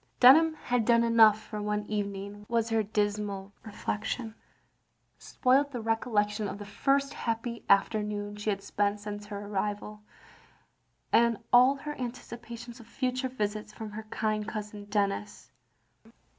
Dunham had done enough for one evening, was her dismal reflection. Spoilt the recollection of the first happy afternoon she had spent since her arrival; and aU her anticipations of future visits from her kind cousin Denis.